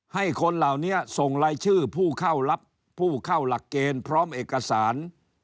ให้คนเหล่านี้ส่งรายชื่อผู้เข้ารับผู้เข้าหลักเกณฑ์พร้อมเอกสาร